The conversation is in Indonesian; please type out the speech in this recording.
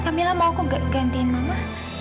kak mila mau kok gantiin mama